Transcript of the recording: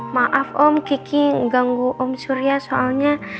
maaf om kiki ganggu om surya soalnya